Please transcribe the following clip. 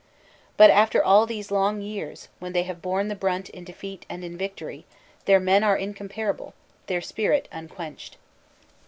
But after all these long years, when they have borne the brunt in defeat and in victory, their men are incom parable, their spirit unquenched.